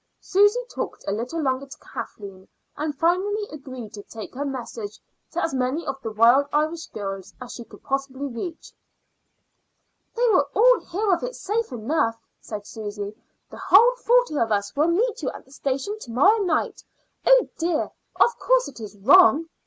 Susy talked a little longer to Kathleen, and finally agreed to take her message to as many of the Wild Irish Girls as she could possibly reach. "They will all hear of it safe enough," said Susy. "The whole forty of us will meet you at the station to morrow night. Oh dear! of course it is wrong."